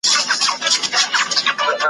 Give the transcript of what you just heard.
د لېوه بچی کوم چا وو پیدا کړی `